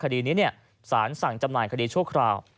คดีนี้สารสั่งจำหน่ายคดีชั่วคราว